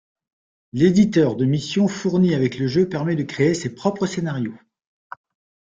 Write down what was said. L'éditeur de missions fourni avec le jeu permet de créer ses propres scénarios.